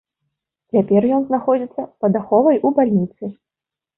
Цяпер ён знаходзіцца пад аховай у бальніцы.